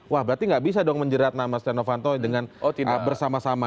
wah berarti nggak bisa dong menjerat nama setia novanto bersama sama